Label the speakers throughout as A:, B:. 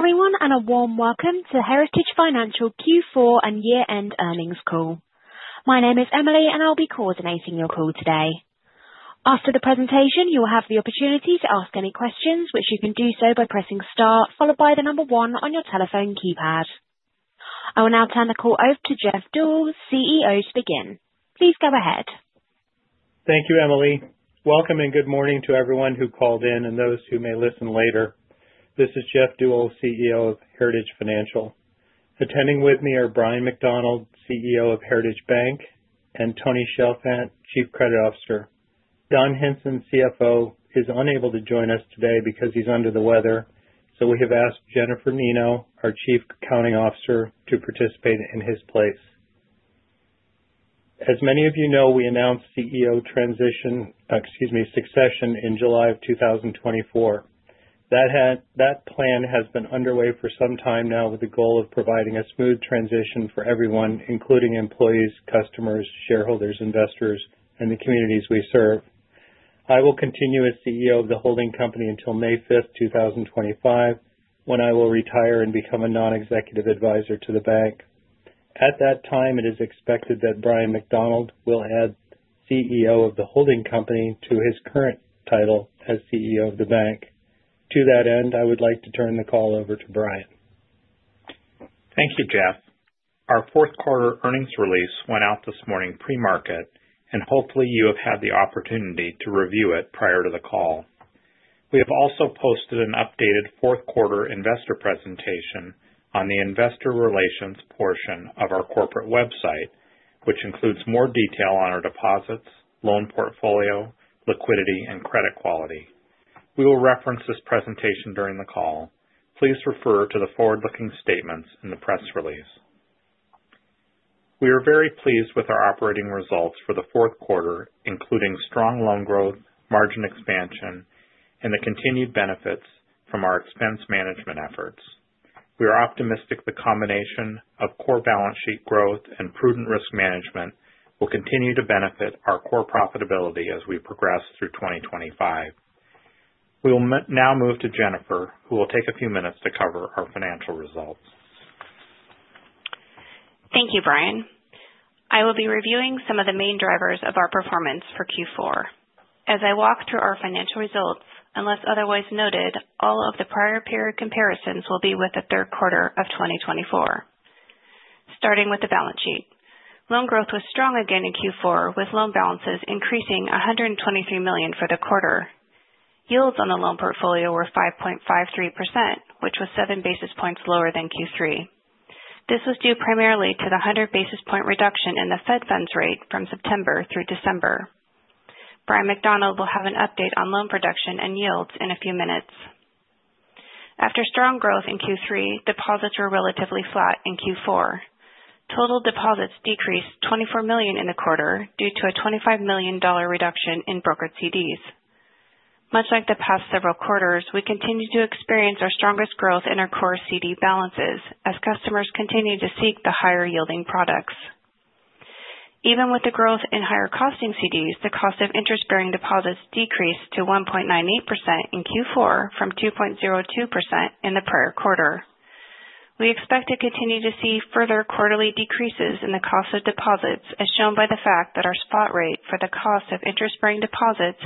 A: Hello everyone and a warm welcome to Heritage Financial Q4 and Year-end Earnings Call. My name is Emily and I'll be coordinating your call today. After the presentation, you will have the opportunity to ask any questions, which you can do so by pressing star followed by the number one on your telephone keypad. I will now turn the call over to Jeff Deuel, CEO, to begin. Please go ahead.
B: Thank you, Emily. Welcome and good morning to everyone who called in and those who may listen later. This is Jeff Deuel, CEO of Heritage Financial. Attending with me are Bryan McDonald, CEO of Heritage Bank, and Tony Chalfant, Chief Credit Officer. Don Hinson, CFO, is unable to join us today because he's under the weather, so we have asked Jennifer Nino, our Chief Accounting Officer, to participate in his place. As many of you know, we announced CEO transition, excuse me, succession in July of 2024. That plan has been underway for some time now with the goal of providing a smooth transition for everyone, including employees, customers, shareholders, investors, and the communities we serve. I will continue as CEO of the holding company until May 5th, 2025, when I will retire and become a non-executive advisor to the bank. At that time, it is expected that Bryan McDonald will add CEO of the holding company to his current title as CEO of the bank. To that end, I would like to turn the call over to Bryan.
C: Thank you, Jeff. Our fourth quarter earnings release went out this morning pre-market, and hopefully you have had the opportunity to review it prior to the call. We have also posted an updated fourth quarter investor presentation on the investor relations portion of our corporate website, which includes more detail on our deposits, loan portfolio, liquidity, and credit quality. We will reference this presentation during the call. Please refer to the forward-looking statements in the press release. We are very pleased with our operating results for the fourth quarter, including strong loan growth, margin expansion, and the continued benefits from our expense management efforts. We are optimistic the combination of core balance sheet growth and prudent risk management will continue to benefit our core profitability as we progress through 2025. We will now move to Jennifer, who will take a few minutes to cover our financial results.
D: Thank you, Bryan. I will be reviewing some of the main drivers of our performance for Q4. As I walk through our financial results, unless otherwise noted, all of the prior period comparisons will be with the third quarter of 2024. Starting with the balance sheet, loan growth was strong again in Q4, with loan balances increasing $123 million for the quarter. Yields on the loan portfolio were 5.53%, which was seven basis points lower than Q3. This was due primarily to the 100 basis point reduction in the Fed Funds Rate from September through December. Bryan McDonald will have an update on loan production and yields in a few minutes. After strong growth in Q3, deposits were relatively flat in Q4. Total deposits decreased $24 million in the quarter due to a $25 million reduction in brokered CDs. Much like the past several quarters, we continue to experience our strongest growth in our core CD balances as customers continue to seek the higher yielding products. Even with the growth in higher costing CDs, the cost of interest-bearing deposits decreased to 1.98% in Q4 from 2.02% in the prior quarter. We expect to continue to see further quarterly decreases in the cost of deposits, as shown by the fact that our spot rate for the cost of interest-bearing deposits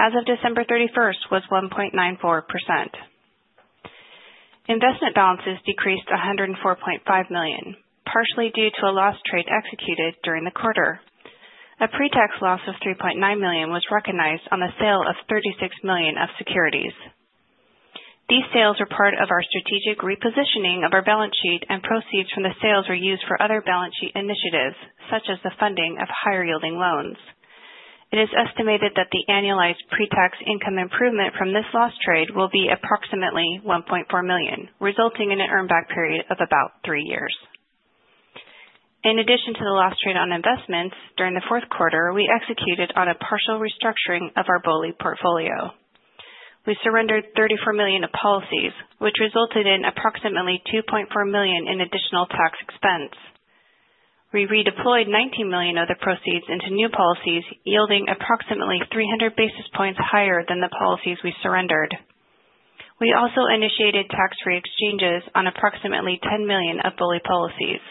D: as of December 31st was 1.94%. Investment balances decreased $104.5 million, partially due to a loss trade executed during the quarter. A pretax loss of $3.9 million was recognized on the sale of $36 million of securities. These sales were part of our strategic repositioning of our balance sheet, and proceeds from the sales were used for other balance sheet initiatives, such as the funding of higher yielding loans. It is estimated that the annualized pre-tax income improvement from this loss trade will be approximately $1.4 million, resulting in an earnback period of about three years. In addition to the loss trade on investments during the fourth quarter, we executed on a partial restructuring of our BOLI portfolio. We surrendered $34 million of policies, which resulted in approximately $2.4 million in additional tax expense. We redeployed $19 million of the proceeds into new policies, yielding approximately 300 basis points higher than the policies we surrendered. We also initiated tax-free exchanges on approximately $10 million of BOLI policies.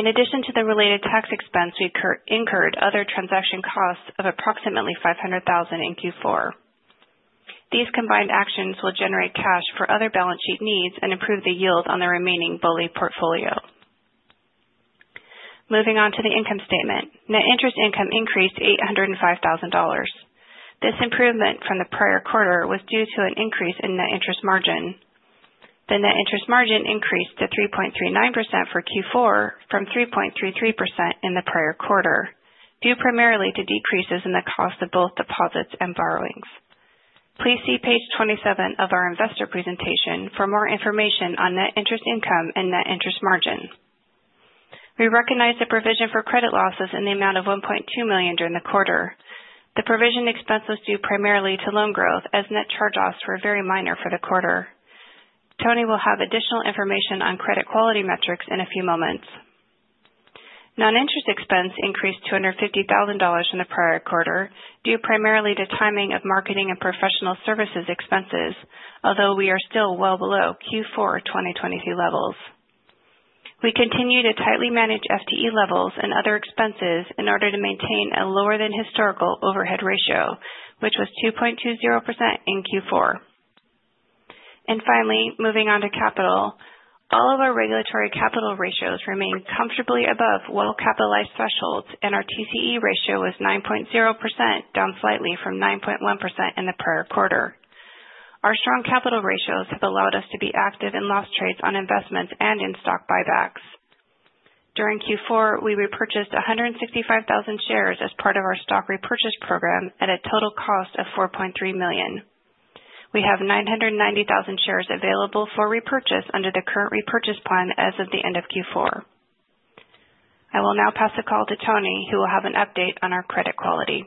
D: In addition to the related tax expense, we incurred other transaction costs of approximately $500,000 in Q4. These combined actions will generate cash for other balance sheet needs and improve the yield on the remaining BOLI portfolio. Moving on to the income statement, net interest income increased $805,000. This improvement from the prior quarter was due to an increase in net interest margin. The net interest margin increased to 3.39% for Q4 from 3.33% in the prior quarter, due primarily to decreases in the cost of both deposits and borrowings. Please see page 27 of our investor presentation for more information on net interest income and net interest margin. We recognize the provision for credit losses in the amount of $1.2 million during the quarter. The provision expense was due primarily to loan growth, as net charge-offs were very minor for the quarter. Tony will have additional information on credit quality metrics in a few moments. Non-interest expense increased $250,000 in the prior quarter, due primarily to timing of marketing and professional services expenses, although we are still well below Q4 2022 levels. We continue to tightly manage FTE levels and other expenses in order to maintain a lower-than-historical overhead ratio, which was 2.20% in Q4, and finally, moving on to capital, all of our regulatory capital ratios remain comfortably above well-capitalized thresholds, and our TCE ratio was 9.0%, down slightly from 9.1% in the prior quarter. Our strong capital ratios have allowed us to be active in loss trades on investments and in stock buybacks. During Q4, we repurchased 165,000 shares as part of our stock repurchase program at a total cost of $4.3 million. We have 990,000 shares available for repurchase under the current repurchase plan as of the end of Q4. I will now pass the call to Tony, who will have an update on our credit quality.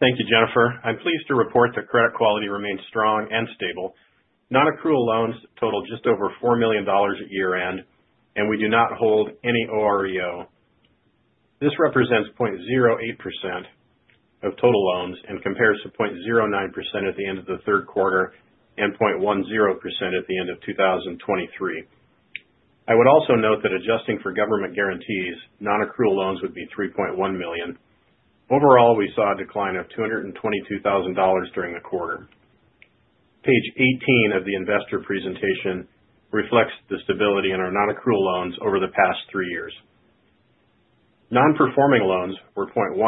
E: Thank you, Jennifer. I'm pleased to report that credit quality remains strong and stable. Non-accrual loans total just over $4 million at year-end, and we do not hold any OREO. This represents 0.08% of total loans and compares to 0.09% at the end of the third quarter and 0.10% at the end of 2023. I would also note that adjusting for government guarantees, non-accrual loans would be $3.1 million. Overall, we saw a decline of $222,000 during the quarter. Page 18 of the investor presentation reflects the stability in our non-accrual loans over the past three years. Non-performing loans were 0.11%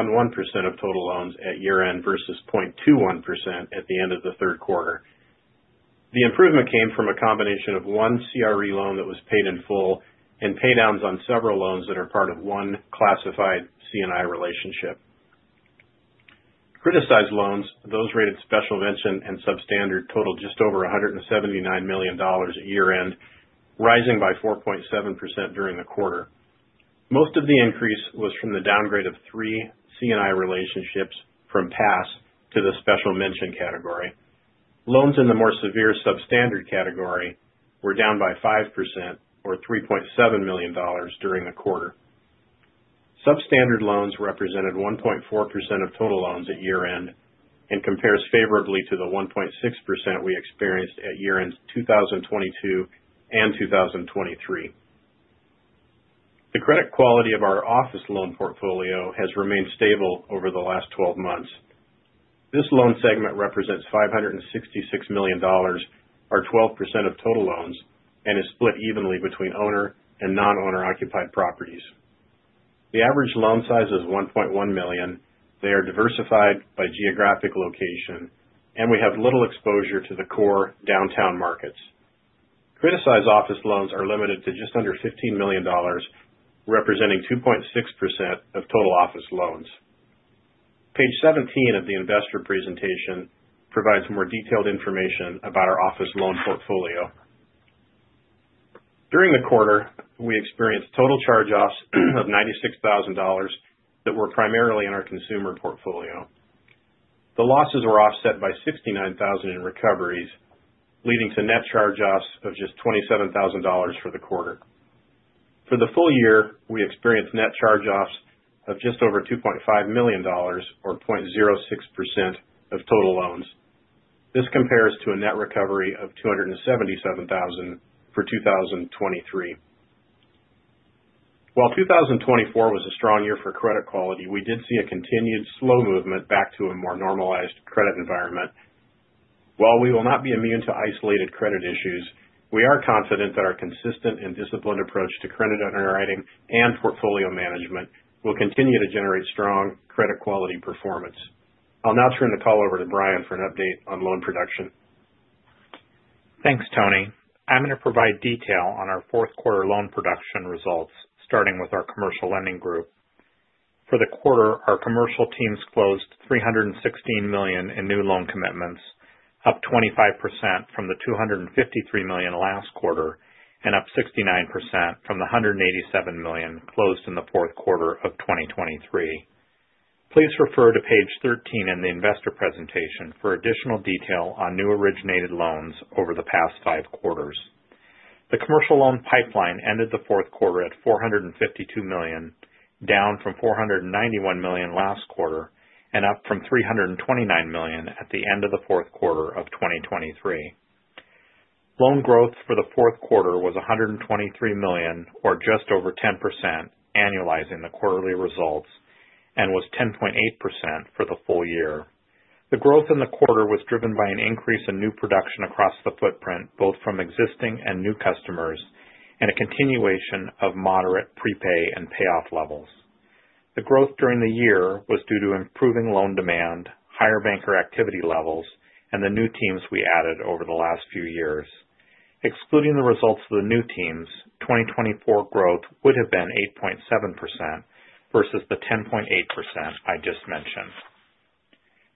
E: of total loans at year-end versus 0.21% at the end of the third quarter. The improvement came from a combination of one CRE loan that was paid in full and paydowns on several loans that are part of one classified C&I relationship. Criticized loans, those rated Special Mention and Substandard, totaled just over $179 million at year-end, rising by 4.7% during the quarter. Most of the increase was from the downgrade of three C&I relationships from Pass to the Special Mention category. Loans in the more severe Substandard category were down by 5%, or $3.7 million during the quarter. Substandard loans represented 1.4% of total loans at year-end and compares favorably to the 1.6% we experienced at year-end 2022 and 2023. The credit quality of our office loan portfolio has remained stable over the last 12 months. This loan segment represents $566 million, or 12% of total loans, and is split evenly between owner and non-owner-occupied properties. The average loan size is $1.1 million. They are diversified by geographic location, and we have little exposure to the core downtown markets. Criticized office loans are limited to just under $15 million, representing 2.6% of total office loans. Page 17 of the investor presentation provides more detailed information about our office loan portfolio. During the quarter, we experienced total charge-offs of $96,000 that were primarily in our consumer portfolio. The losses were offset by $69,000 in recoveries, leading to net charge-offs of just $27,000 for the quarter. For the full year, we experienced net charge-offs of just over $2.5 million, or 0.06% of total loans. This compares to a net recovery of $277,000 for 2023. While 2024 was a strong year for credit quality, we did see a continued slow movement back to a more normalized credit environment. While we will not be immune to isolated credit issues, we are confident that our consistent and disciplined approach to credit underwriting and portfolio management will continue to generate strong credit quality performance. I'll now turn the call over to Bryan for an update on loan production.
C: Thanks, Tony. I'm going to provide detail on our fourth quarter loan production results, starting with our commercial lending group. For the quarter, our commercial teams closed $316 million in new loan commitments, up 25% from the $253 million last quarter and up 69% from the $187 million closed in the fourth quarter of 2023. Please refer to page 13 in the investor presentation for additional detail on new originated loans over the past five quarters. The commercial loan pipeline ended the fourth quarter at $452 million, down from $491 million last quarter and up from $329 million at the end of the fourth quarter of 2023. Loan growth for the fourth quarter was $123 million, or just over 10% annualizing the quarterly results, and was 10.8% for the full year. The growth in the quarter was driven by an increase in new production across the footprint, both from existing and new customers, and a continuation of moderate prepay and payoff levels. The growth during the year was due to improving loan demand, higher banker activity levels, and the new teams we added over the last few years. Excluding the results of the new teams, 2024 growth would have been 8.7% versus the 10.8% I just mentioned.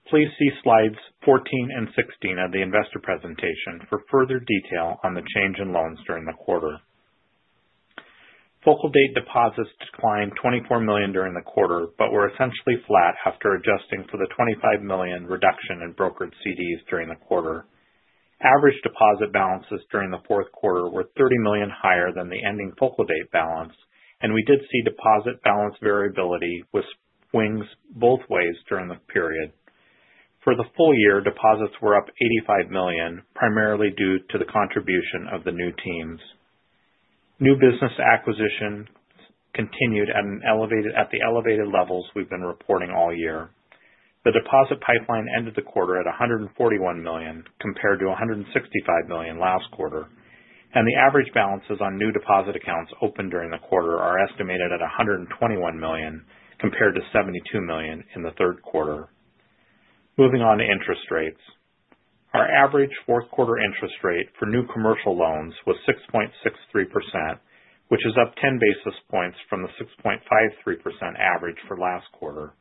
C: Please see slides 14 and 16 of the investor presentation for further detail on the change in loans during the quarter. Focal date deposits declined $24 million during the quarter but were essentially flat after adjusting for the $25 million reduction in brokered CDs during the quarter. Average deposit balances during the fourth quarter were $30 million higher than the ending focal date balance, and we did see deposit balance variability with swings both ways during the period. For the full year, deposits were up $85 million, primarily due to the contribution of the new teams. New business acquisitions continued at the elevated levels we've been reporting all year. The deposit pipeline ended the quarter at $141 million compared to $165 million last quarter, and the average balances on new deposit accounts opened during the quarter are estimated at $121 million compared to $72 million in the third quarter. Moving on to interest rates. Our average fourth quarter interest rate for new commercial loans was 6.63%, which is up 10 basis points from the 6.53% average for last quarter.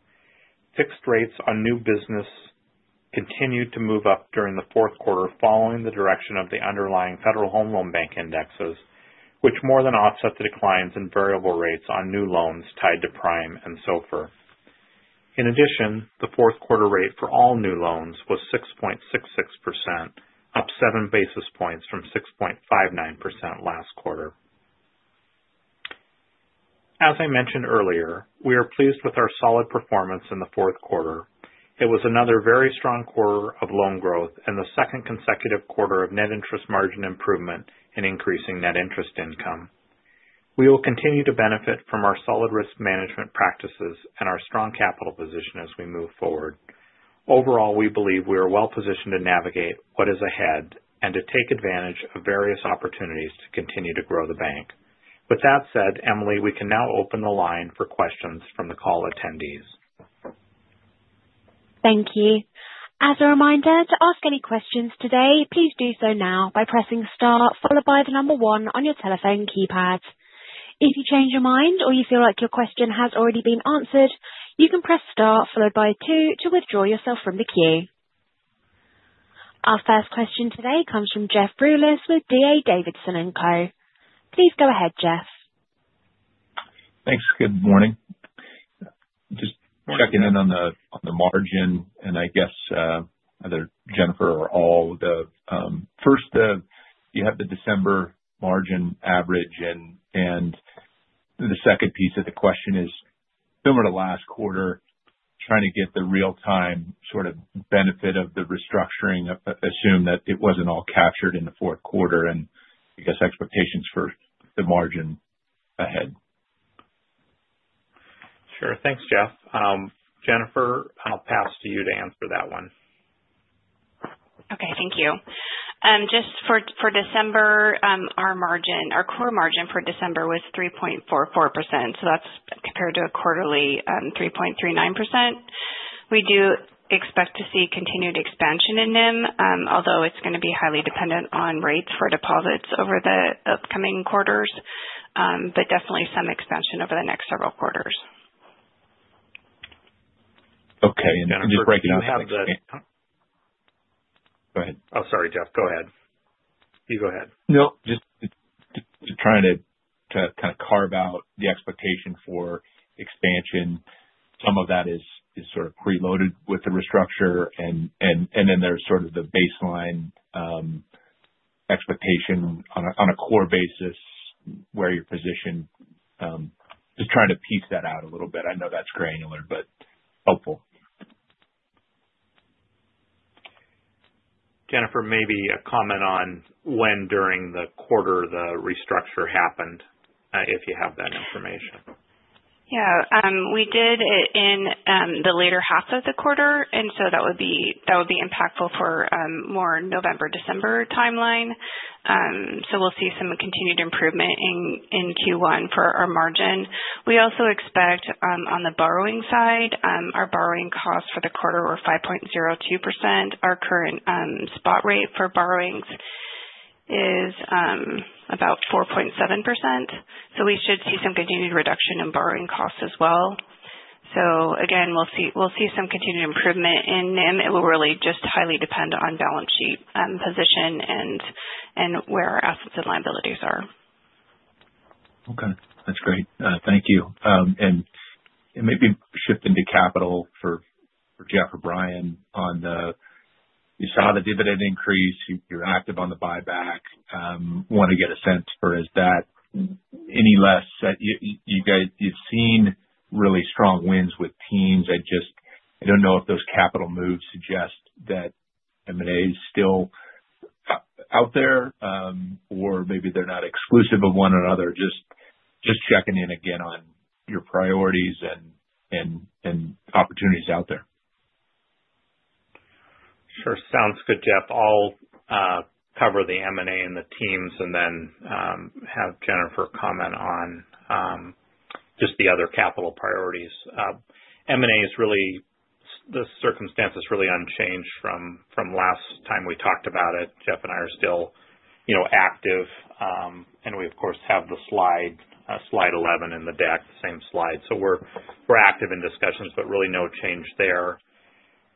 C: Fixed rates on new business continued to move up during the fourth quarter following the direction of the underlying Federal Home Loan Bank indexes, which more than offset the declines in variable rates on new loans tied to Prime and SOFR. In addition, the fourth quarter rate for all new loans was 6.66%, up 7 basis points from 6.59% last quarter. As I mentioned earlier, we are pleased with our solid performance in the fourth quarter. It was another very strong quarter of loan growth and the second consecutive quarter of net interest margin improvement and increasing net interest income. We will continue to benefit from our solid risk management practices and our strong capital position as we move forward. Overall, we believe we are well positioned to navigate what is ahead and to take advantage of various opportunities to continue to grow the bank. With that said, Emily, we can now open the line for questions from the call attendees.
A: Thank you. As a reminder, to ask any questions today, please do so now by pressing star, followed by the number one on your telephone keypad. If you change your mind or you feel like your question has already been answered, you can press star, followed by two, to withdraw yourself from the queue. Our first question today comes from Jeff Rulis with D.A. Davidson & Co. Please go ahead, Jeff.
F: Thanks. Good morning. Just checking in on the margin, and I guess either Jennifer or all, first, you have the December margin average, and the second piece of the question is similar to last quarter, trying to get the real-time sort of benefit of the restructuring, assume that it wasn't all captured in the fourth quarter, and I guess expectations for the margin ahead.
C: Sure. Thanks, Jeff. Jennifer, I'll pass to you to answer that one.
D: Okay. Thank you. Just for December, our core margin for December was 3.44%, so that's compared to a quarterly 3.39%. We do expect to see continued expansion in NIM, although it's going to be highly dependent on rates for deposits over the upcoming quarters, but definitely some expansion over the next several quarters.
F: Okay. And just breaking up.
C: Go ahead. Oh, sorry, Jeff. Go ahead. You go ahead.
F: No, just trying to kind of carve out the expectation for expansion. Some of that is sort of preloaded with the restructure, and then there's sort of the baseline expectation on a core basis where your position is trying to piece that out a little bit. I know that's granular, but helpful.
C: Jennifer, maybe a comment on when during the quarter the restructure happened, if you have that information.
D: Yeah. We did it in the later half of the quarter, and so that would be impactful for more November, December timeline. So we'll see some continued improvement in Q1 for our margin. We also expect on the borrowing side, our borrowing costs for the quarter were 5.02%. Our current spot rate for borrowings is about 4.7%. So we should see some continued reduction in borrowing costs as well. So again, we'll see some continued improvement in NIM. It will really just highly depend on balance sheet position and where our assets and liabilities are.
F: Okay. That's great. Thank you. And maybe shifting to capital for Jeff or Bryan on the, you saw the dividend increase. You're active on the buyback. Want to get a sense of is that any less than you've seen really strong wins with teams? I don't know if those capital moves suggest that M&A is still out there, or maybe they're not exclusive of one another. Just checking in again on your priorities and opportunities out there.
C: Sure. Sounds good, Jeff. I'll cover the M&A and the teams and then have Jennifer comment on just the other capital priorities. M&A is really, the circumstance is really unchanged from last time we talked about it. Jeff and I are still active, and we, of course, have the slide 11 in the deck, the same slide. So we're active in discussions, but really no change there.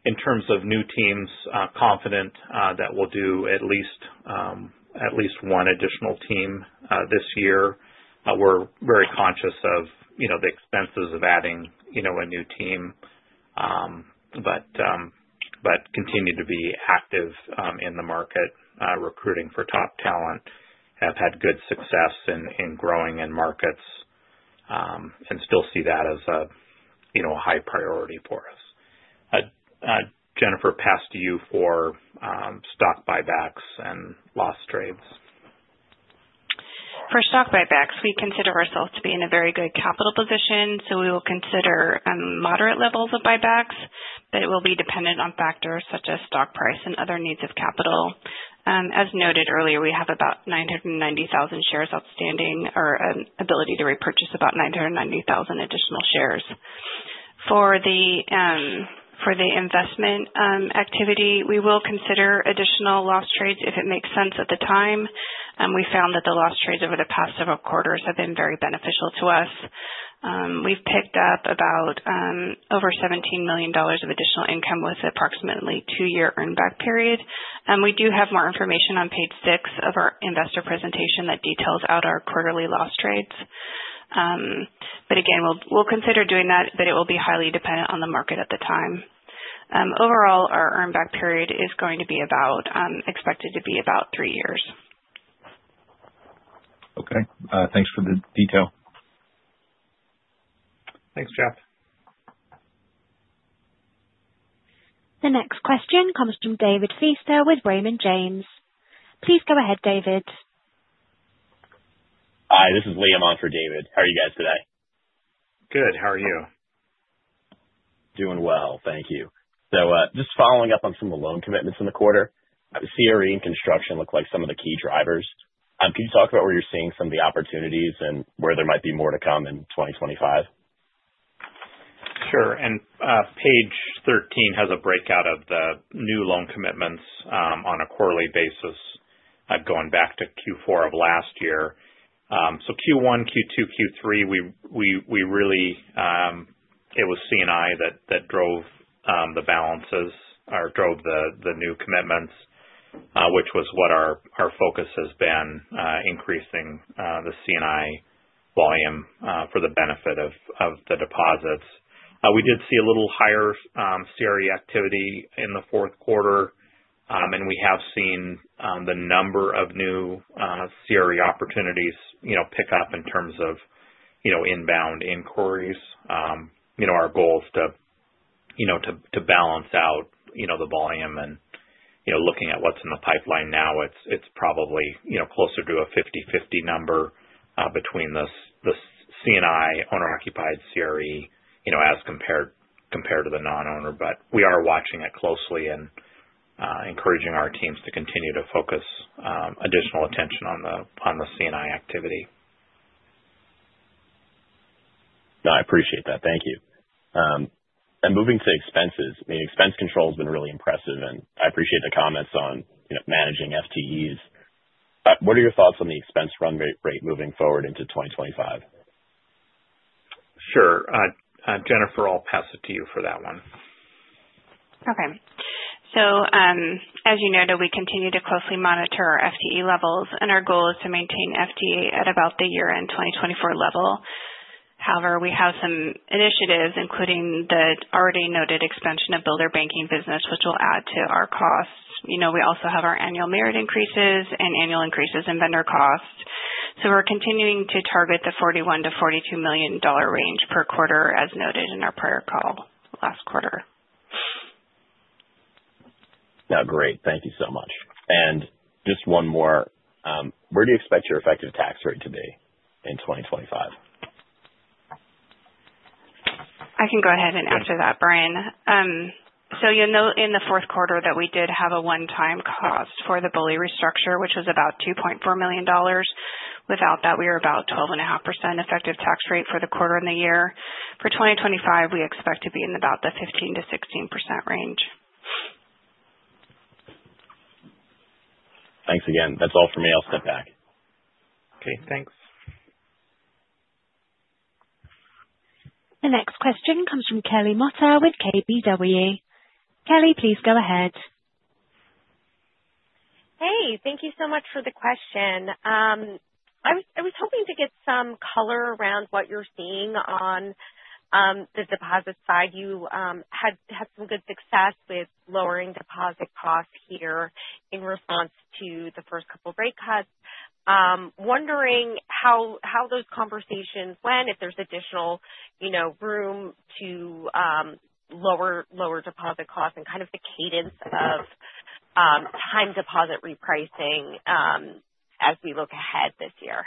C: In terms of new teams, confident that we'll do at least one additional team this year. We're very conscious of the expenses of adding a new team, but continue to be active in the market, recruiting for top talent, have had good success in growing in markets, and still see that as a high priority for us. Jennifer, pass to you for stock buybacks and loss trades.
D: For stock buybacks, we consider ourselves to be in a very good capital position, so we will consider moderate levels of buybacks, but it will be dependent on factors such as stock price and other needs of capital. As noted earlier, we have about 990,000 shares outstanding or ability to repurchase about 990,000 additional shares. For the investment activity, we will consider additional loss trades if it makes sense at the time. We found that the loss trades over the past several quarters have been very beneficial to us. We've picked up about over $17 million of additional income with approximately a two-year earnback period. We do have more information on page six of our investor presentation that details out our quarterly loss trades. But again, we'll consider doing that, but it will be highly dependent on the market at the time. Overall, our earnback period is expected to be about three years.
F: Okay. Thanks for the detail.
C: Thanks, Jeff.
A: The next question comes from David Feaster with Raymond James. Please go ahead, David.
G: Hi. This is Liam on for David. How are you guys today?
C: Good. How are you?
G: Doing well. Thank you. So just following up on some of the loan commitments in the quarter, CRE and construction look like some of the key drivers. Can you talk about where you're seeing some of the opportunities and where there might be more to come in 2025?
C: Sure, and page 13 has a breakout of the new loan commitments on a quarterly basis going back to Q4 of last year, so Q1, Q2, Q3, it was C&I that drove the balances or drove the new commitments, which was what our focus has been, increasing the C&I volume for the benefit of the deposits. We did see a little higher CRE activity in the fourth quarter, and we have seen the number of new CRE opportunities pick up in terms of inbound inquiries. Our goal is to balance out the volume, and looking at what's in the pipeline now, it's probably closer to a 50/50 number between the C&I owner-occupied CRE as compared to the non-owner, but we are watching it closely and encouraging our teams to continue to focus additional attention on the C&I activity.
G: No, I appreciate that. Thank you. And moving to expenses, I mean, expense control has been really impressive, and I appreciate the comments on managing FTEs. What are your thoughts on the expense run rate moving forward into 2025?
C: Sure. Jennifer, I'll pass it to you for that one.
D: Okay. So as you noted, we continue to closely monitor our FTE levels, and our goal is to maintain FTE at about the year-end 2024 level. However, we have some initiatives, including the already noted expansion of Builder Banking business, which will add to our costs. We also have our annual merit increases and annual increases in vendor costs. So we're continuing to target the $41-$42 million range per quarter, as noted in our prior call last quarter.
G: No, great. Thank you so much. And just one more. Where do you expect your effective tax rate to be in 2025?
D: I can go ahead and answer that, Bryan. So you'll note in the fourth quarter that we did have a one-time cost for the BOLI restructure, which was about $2.4 million. Without that, we are about 12.5% effective tax rate for the quarter and the year. For 2025, we expect to be in about the 15%-16% range.
G: Thanks again. That's all for me. I'll step back.
C: Okay. Thanks.
A: The next question comes from Kelly Motta with KBW. Kelly, please go ahead.
H: Hey. Thank you so much for the question. I was hoping to get some color around what you're seeing on the deposit side. You had some good success with lowering deposit costs here in response to the first couple of rate cuts. Wondering how those conversations went, if there's additional room to lower deposit costs and kind of the cadence of time deposit repricing as we look ahead this year.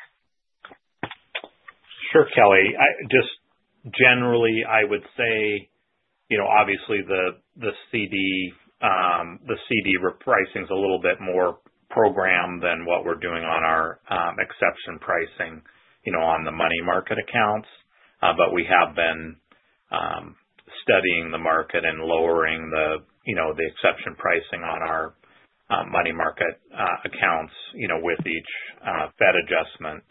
C: Sure, Kelly. Just generally, I would say, obviously, the CD repricing is a little bit more programmed than what we're doing on our exception pricing on the money market accounts, but we have been studying the market and lowering the exception pricing on our money market accounts with each Fed adjustment.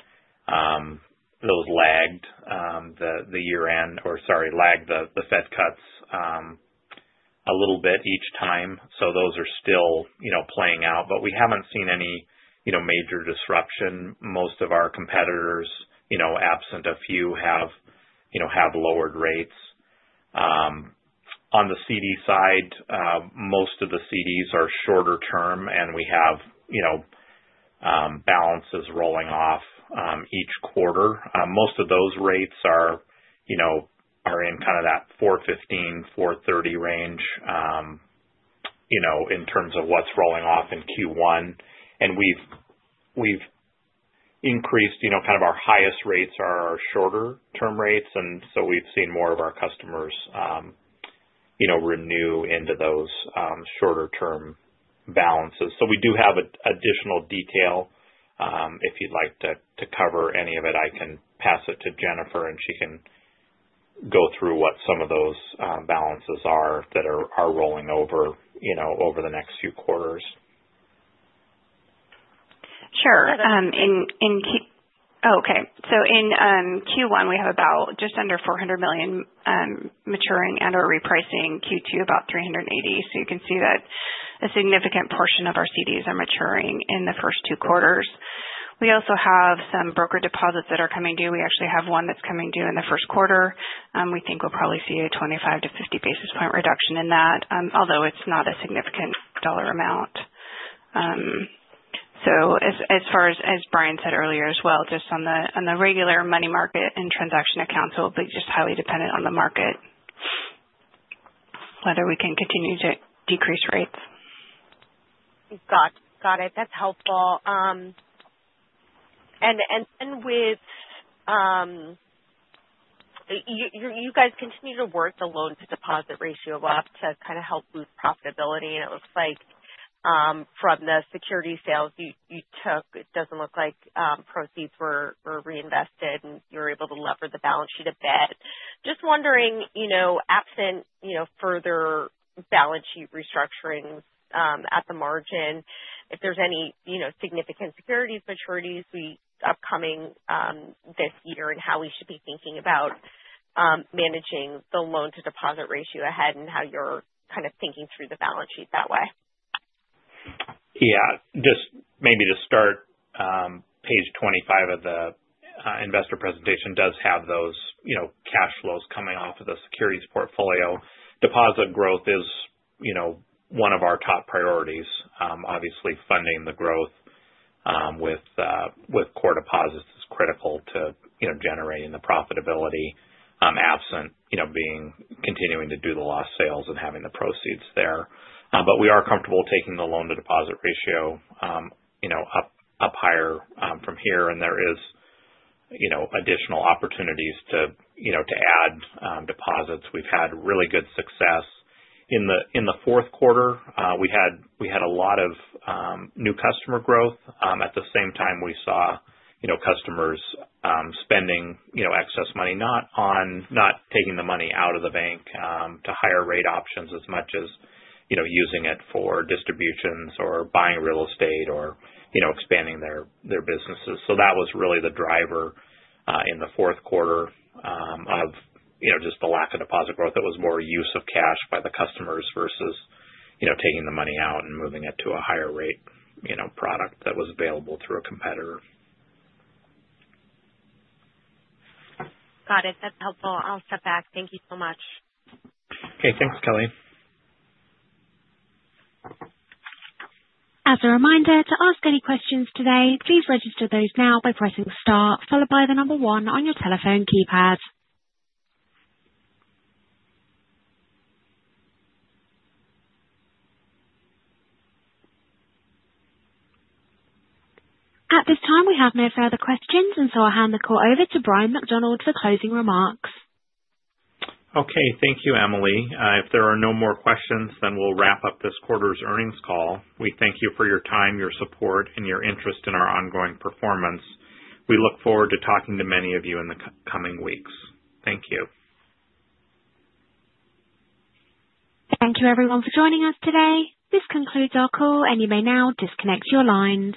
C: Those lagged the year-end or, sorry, lagged the Fed cuts a little bit each time, so those are still playing out, but we haven't seen any major disruption. Most of our competitors, absent a few, have lowered rates. On the CD side, most of the CDs are shorter term, and we have balances rolling off each quarter. Most of those rates are in kind of that 415-430 range in terms of what's rolling off in Q1. And we've increased kind of our highest rates are our shorter-term rates, and so we've seen more of our customers renew into those shorter-term balances. So we do have additional detail. If you'd like to cover any of it, I can pass it to Jennifer, and she can go through what some of those balances are that are rolling over the next few quarters.
D: Sure. Oh, okay. So in Q1, we have about just under $400 million maturing and/or repricing. Q2, about $380 million. So you can see that a significant portion of our CDs are maturing in the first two quarters. We also have some brokered deposits that are coming due. We actually have one that's coming due in the first quarter. We think we'll probably see a 25-50 basis points reduction in that, although it's not a significant dollar amount. So as far as Bryan said earlier as well, just on the regular money market and transaction accounts, it will be just highly dependent on the market whether we can continue to decrease rates.
H: Got it. That's helpful. And then with you guys continue to work the loan-to-deposit ratio up to kind of help boost profitability. And it looks like from the securities sales you took, it doesn't look like proceeds were reinvested, and you were able to leverage the balance sheet a bit. Just wondering, absent further balance sheet restructurings at the margin, if there's any significant securities maturities upcoming this year and how we should be thinking about managing the loan-to-deposit ratio ahead and how you're kind of thinking through the balance sheet that way.
C: Yeah. Just maybe to start, page 25 of the investor presentation does have those cash flows coming off of the securities portfolio. Deposit growth is one of our top priorities. Obviously, funding the growth with core deposits is critical to generating the profitability, absent continuing to do the loss sales and having the proceeds there. But we are comfortable taking the loan-to-deposit ratio up higher from here, and there are additional opportunities to add deposits. We've had really good success. In the fourth quarter, we had a lot of new customer growth. At the same time, we saw customers spending excess money, not taking the money out of the bank to higher rate options as much as using it for distributions or buying real estate or expanding their businesses. So that was really the driver in the fourth quarter of just the lack of deposit growth. It was more use of cash by the customers versus taking the money out and moving it to a higher-rate product that was available through a competitor.
H: Got it. That's helpful. I'll step back. Thank you so much.
C: Okay. Thanks, Kelly.
A: As a reminder, to ask any questions today, please register those now by pressing star, followed by the number one on your telephone keypad. At this time, we have no further questions, and so I'll hand the call over to Bryan McDonald for closing remarks.
C: Okay. Thank you, Emily. If there are no more questions, then we'll wrap up this quarter's earnings call. We thank you for your time, your support, and your interest in our ongoing performance. We look forward to talking to many of you in the coming weeks. Thank you.
A: Thank you, everyone, for joining us today. This concludes our call, and you may now disconnect your lines.